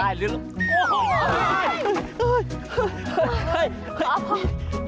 เฮ้ยเฮ้ยเฮ้ยพ่อพ่อ